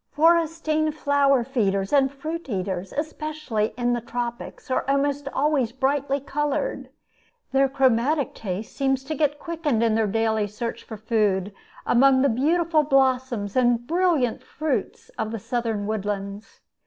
... Forestine flower feeders and fruit eaters, especially in the tropics, are almost always brightly colored. Their chromatic taste seems to get quickened in their daily search for food among the beautiful blossoms and brilliant fruits of southern woodlands.